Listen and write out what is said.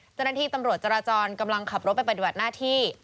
เจ้าหน้าที่ตำรวจจราจรกำลังขับรถไปปฏิบัติหน้าที่